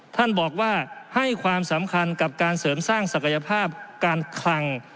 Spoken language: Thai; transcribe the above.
ท่านบอกว่าให้ความสำคัญกับการเสริมสร้างศักยภาพการคลัง